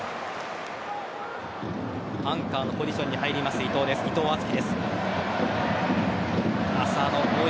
アンカーのポジションに入ります伊藤敦樹です。